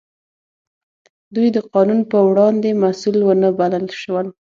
دوی د قانون په وړاندې مسوول ونه بلل شول.